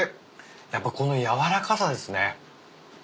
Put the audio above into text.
やっぱこの軟らかさですね。